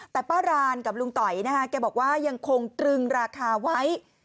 แต่ป้ารานกับลุงต่อยนะคะแกบอกว่ายังคงตรึงราคาไว้